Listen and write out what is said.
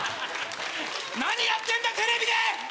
何やってんだテレビで！